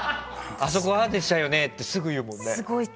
あそこ、ああでしたよねってすぐ言うもんね。